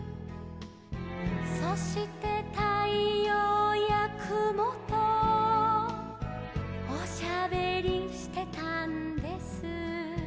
「そしてたいようやくもとおしゃべりしてたんです」